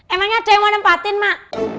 emangnya ada yang mau nempatin mak